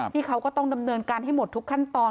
ที่เขาก็ต้องดำเนินการให้หมดทุกขั้นตอน